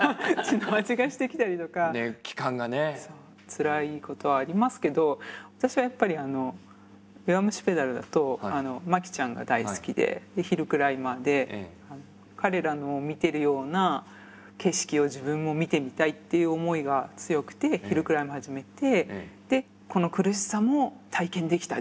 つらいことありますけど私はやっぱり「弱虫ペダル」だと巻ちゃんが大好きでヒルクライマーで彼らの見てるような景色を自分も見てみたいっていう思いが強くてヒルクライム始めてでこの苦しさも体験できた。